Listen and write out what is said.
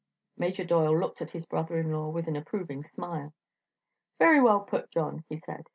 Major Doyle looked at his brother in law with an approving smile. "Very well put, John," he said.